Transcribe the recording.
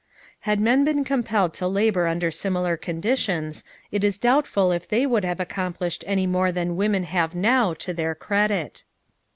Had men been compelled to labor under similar conditions, it is doubtful if they would have accomplished any more than women have now to their credit.